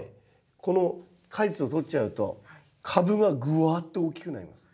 この果実を取っちゃうと株がぐわっと大きくなります。